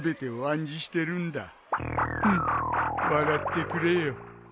フッ笑ってくれよ。